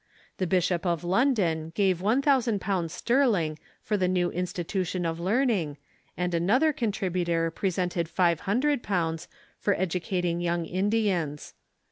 The Bishop of London gave one thousand pounds sterling for the new institution of learning, and another con tributor presented five hundred pounds for educating young Indians.